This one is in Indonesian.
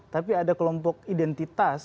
tapi ada kelompok identitas